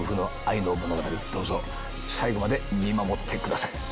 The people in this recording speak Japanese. どうぞ最後まで見守ってください。